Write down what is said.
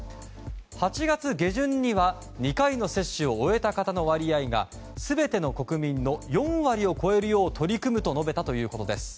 ８月下旬には２回の接種を終えた方の割合が全ての国民の４割を超えるよう取り組むと述べたということです。